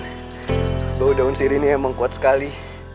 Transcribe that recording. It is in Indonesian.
bagi aku daun sirih ini emang kuat sekali